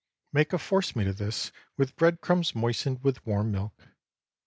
Make a force meat of this, with bread crumbs moistened with warm milk.